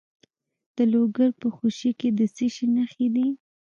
د لوګر په خوشي کې د څه شي نښې دي؟